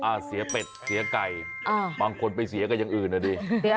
เสียเป็ดเสียไก่อ่าบางคนไปเสียกับอย่างอื่นอ่ะดิ